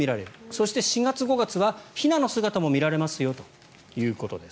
そして、４月、５月はひなの姿も見られますよということです。